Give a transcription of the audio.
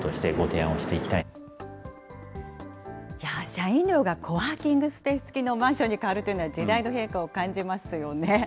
社員寮がコワーキングスペースつきのマンションに変わるというのは、時代の変化を感じますよね。